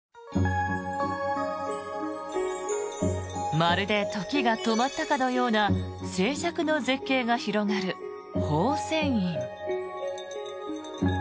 まるで時が止まったかのような静寂の絶景が広がる宝泉院。